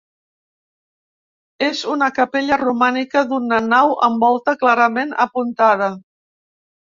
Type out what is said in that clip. És una capella romànica, d'una nau amb volta clarament apuntada.